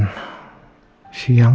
papah ntar sarapan siang